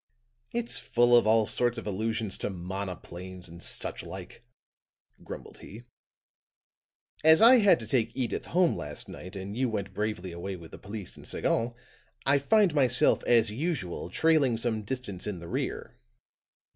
"It's full of all sorts of allusions to monoplanes and such like," grumbled he. "As I had to take Edyth home last night, and you went bravely away with the police and Sagon, I find myself, as usual, trailing some distance in the rear."